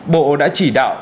bộ đã chỉ đạo